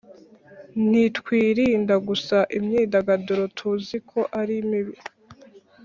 ntitwirinda gusa imyidagaduro tuzi ko ari mibi